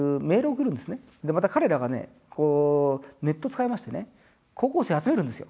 また彼らがねこうネット使いましてね高校生集めるんですよ。